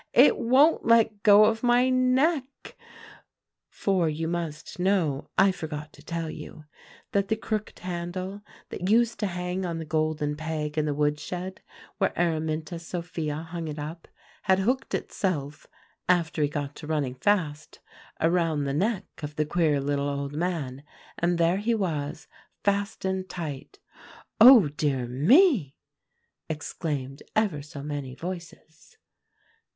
'It won't let go of my neck;' for you must know, I forgot to tell you, that the crooked handle that used to hang on the golden peg in the woodshed, where Araminta Sophia hung it up, had hooked itself, after he got to running fast, around the neck of the queer little old man, and there he was fast and tight." "Oh, dear me!" exclaimed ever so many voices.